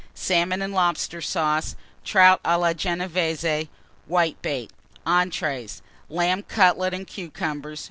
Salmon and Lobster Sauce. Trout à la Genévése. Whitebait. ENTREES. Lamb Cutlets and Cucumbers.